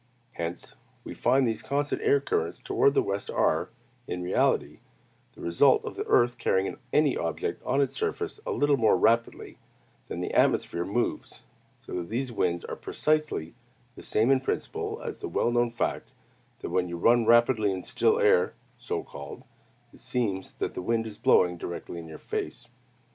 Hence, we find these constant air currents toward the west are, in reality, the result of the earth carrying any object on its surface a little more rapidly than the atmosphere moves; so that these winds are precisely the same in principle as the well known fact that when you run rapidly in still air (so called), it seems that the wind is blowing directly in your face.